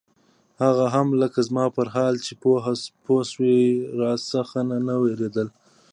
هغه هم لکه زما پر حال چې پوهه سوې وي راڅخه نه وېرېدله.